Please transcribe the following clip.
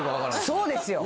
そうですよ。